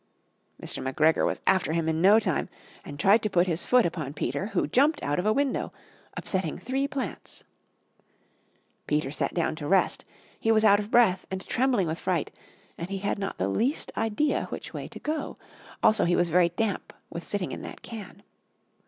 Mr. McGregor was after him in no time, and tried to put his foot upon Peter, who Jumped out of a window, upsetting three plants. Peter sat down to rest; he was out of breath and trembling with fright, and he had not the least idea which way to go. Also he was very damp with sitting in that can.